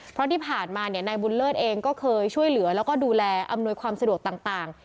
เพราะที่ผ่านมาเนี่ยนายบุญเลิศเองก็เคยช่วยเหลือแล้วก็ดูแลอำนวยความสะดวกต่าง